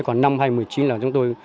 còn năm hai nghìn một mươi chín chúng tôi